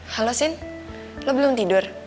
halo sin lo belum tidur